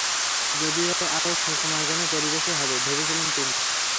যদিও আরও সুখময় কোন পরিবেশে হবে ভেবেছিলেন তিনি।